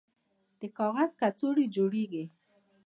د کاغذ کڅوړې جوړیږي؟